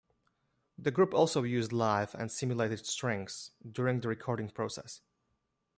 The group also used live and simulated strings during the recording process.